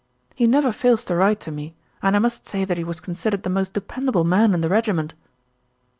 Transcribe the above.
"He never fails to write to me, and I must say that he was considered the most dependable man in the regiment."